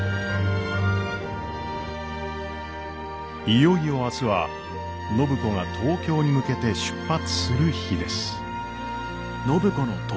いよいよ明日は暢子が東京に向けて出発する日です。